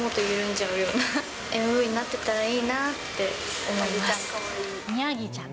じゃうようなＭＶになっていたらいいなって思います。